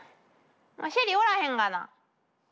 シェリおらへんがな。